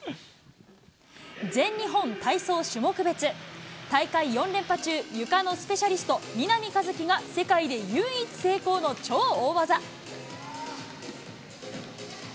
全日本体操種目別、大会４連覇中、ゆかのスペシャリスト、南一輝が世界で唯一成功の超大技。